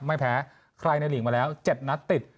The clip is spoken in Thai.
ไม่แพ้ใครในหลีกมาแล้ว๗นัดติด